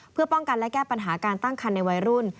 เพื่อป้องกันและแก้ปัญหาการตั้งคันในวัยรุ่น